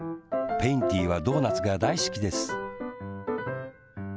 ペインティーはドーナツがだいすきです。